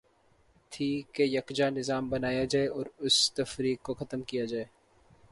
تھی کہ یکجا نظا م بنایا جائے اور اس تفریق کو ختم کیا جائے۔